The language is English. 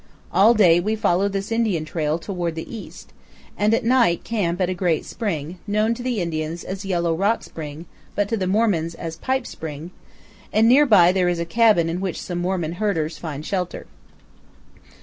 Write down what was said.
All day we follow this Indian trail toward the east, and at night camp at a great spring, known to the Indians as Yellow Rock Spring, but to the Mormons as Pipe Spring; and near by there is a cabin in which some Mormon 298 CANYONS OF THE COLORADO. herders find shelter.